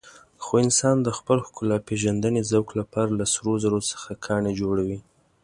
خو انسان د خپل ښکلاپېژندنې ذوق لپاره له سرو زرو څخه ګاڼې جوړوي.